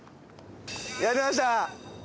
やりました